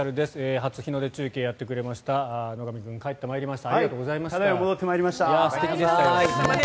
初日の出中継やってくれました野上君帰ってまいりました。